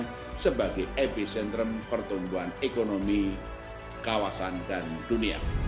ini merupakan sebagai epicentrum pertumbuhan ekonomi kawasan dan dunia